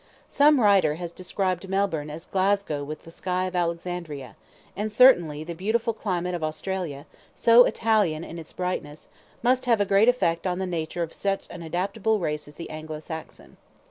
Some writer has described Melbourne, as Glasgow with the sky of Alexandria; and certainly the beautiful climate of Australia, so Italian in its brightness, must have a great effect on the nature of such an adaptable race as the Anglo Saxon.